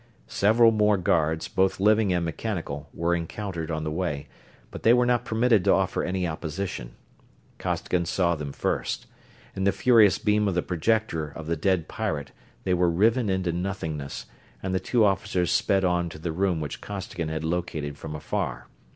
Several more guards, both living and mechanical, were encountered on the way, but they were not permitted to offer any opposition. Costigan saw them first. In the furious beam of the projector of the dead pirate they were riven into nothingness, and the two officers sped on to the room which Costigan had located from afar.